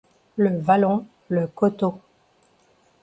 Le vallon, le coteau.